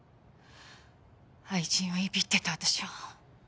愛人をいびってた私を。